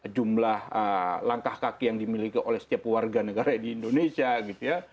jumlah langkah kaki yang dimiliki oleh setiap warga negara di indonesia gitu ya